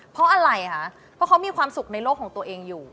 เพราะอะไรคะเพราะเขามีความสุขในโลกของตัวเองอยู่